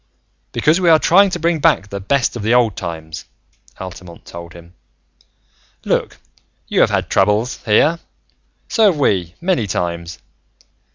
"Because we are trying to bring back the best of the Old Times," Altamont told him. "Look, you have had troubles, here. So have we, many times.